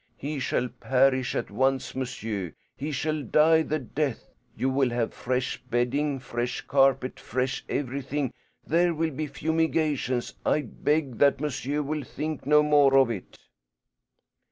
He shall perish at once, monsieur; he shall die the death. You will have fresh bedding, fresh carpet, fresh everything. There will be fumigations. I beg that monsieur will think no more of it."